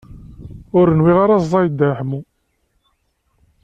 Ur nwiɣ ara ẓẓay Dda Ḥemmu.